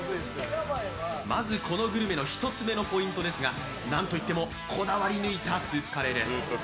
まずこのグルメの１つ目のポイントですが、何といってもこだわり抜いたスープカレーです。